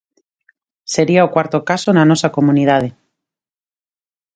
Sería o cuarto caso na nosa comunidade.